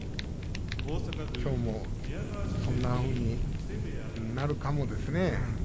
きょうも、そんなふうになるかもですね。